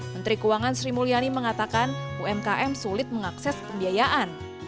menteri keuangan sri mulyani mengatakan umkm sulit mengakses pembiayaan